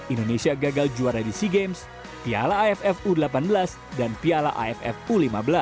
indonesia gagal juara di sea games piala aff u delapan belas dan piala aff u lima belas